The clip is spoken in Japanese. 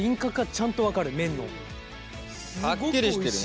すごくおいしい。